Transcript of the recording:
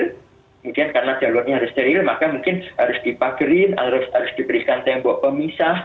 kemudian karena jalurnya harus steril maka mungkin harus dipagerin harus diberikan tembok pemisah